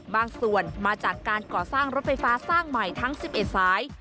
บางส่วนมาจากการก่อสร้างรถไฟฟ้าสร้างใหม่ทั้ง๑๑สาย